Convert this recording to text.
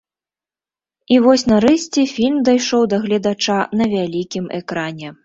І вось нарэшце фільм дайшоў да гледача на вялікім экране.